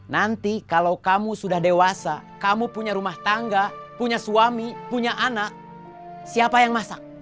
nanti kalau kamu sudah dewasa kamu punya rumah tangga punya suami punya anak siapa yang masak